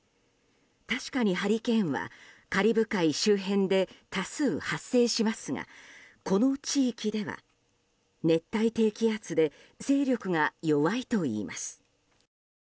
確かに、ハリケーンはカリブ海周辺で多数発生しますがこの地域では、熱帯低気圧で勢力が弱いといいます。